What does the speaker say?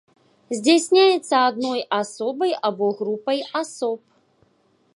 Здзяйсняецца адной асобай або групай асоб.